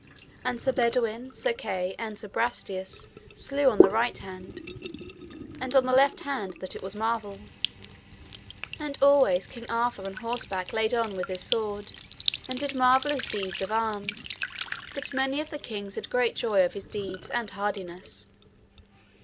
And Sir Baudwin, Sir Kay, and Sir Brastias slew on the right hand and on the left hand that it was marvel; and always King Arthur on horseback laid on with a sword, and did marvellous deeds of arms, that many of the kings had great joy of his deeds and hardiness.